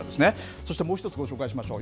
そしてもう一つご紹介しましょう。